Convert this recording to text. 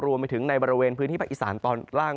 รวมไปถึงในบริเวณพื้นที่ภาคอีสานตอนล่าง